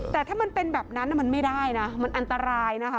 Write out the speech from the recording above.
แต่ถ้ามันเป็นแบบนั้นมันไม่ได้นะมันอันตรายนะคะ